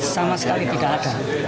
sama sekali tidak ada